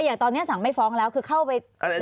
อย่างตอนนี้สั่งไม่ฟ้องแล้วคือเข้าไป